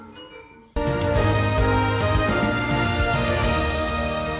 sampai setelah abad terakhir